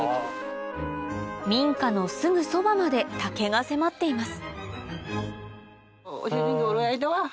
民家のすぐそばまで竹が迫っています